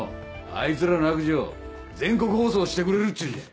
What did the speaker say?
あいつらの悪事を全国放送してくれるっちゅうんじゃ。